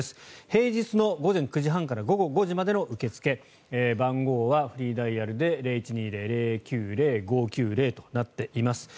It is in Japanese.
平日の午前９時半から午後５時までの受け付け番号はフリーダイヤルでこちらとなっています。